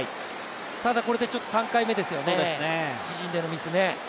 ただ、これで３回目ですよね、自陣でのミスは。